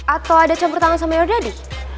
atau ada campur tangan sama yogadi